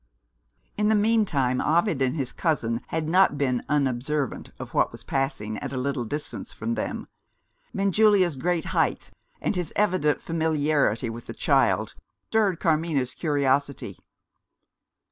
In the meantime, Ovid and his cousin had not been unobservant of what was passing at a little distance from them. Benjulia's great height, and his evident familiarity with the child, stirred Carmina's curiosity.